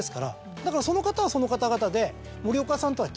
だからその方はその方々で。